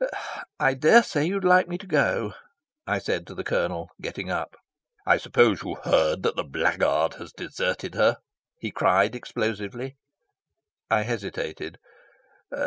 "I dare say you'd like me to go," I said to the Colonel, getting up. "I suppose you've heard that blackguard has deserted her," he cried explosively. I hesitated.